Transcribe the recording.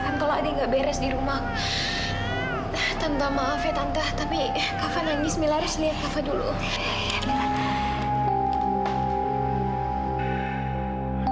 tenang dah lagiiih